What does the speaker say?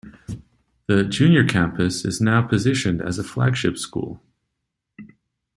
The Junior Campus is now positioned as a flagship school.